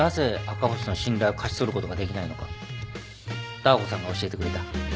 ダー子さんが教えてくれた。